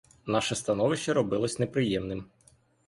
Наше становище робилось неприємним.